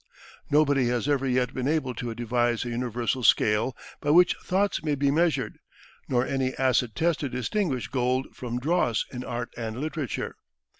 Nobody has ever yet been able to devise a universal scale by which thoughts may be measured, nor any acid test to distinguish gold from dross in art and literature.